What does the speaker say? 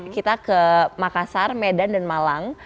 kita ke makassar medan dan malang